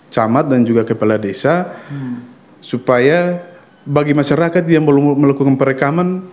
camat dan juga kepala desa supaya bagi masyarakat yang belum melakukan perekaman